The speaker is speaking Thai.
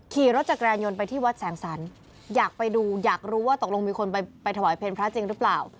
ขี่รถจักรยานยนต์ไปที่วัดแสงสรรคอยากไปดูอยากรู้ว่าตกลงมีคนไปถวายเพลงพระจริงหรือเปล่า